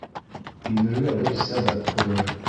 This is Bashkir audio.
Инергә бер сәбәп булыр.